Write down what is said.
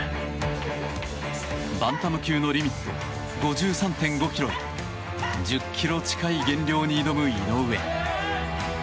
バンタム級のリミット５３．５ｋｇへ１０ｋｇ近い減量に挑む井上。